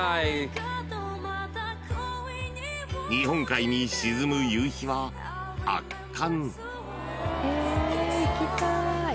［日本海に沈む夕日は圧巻］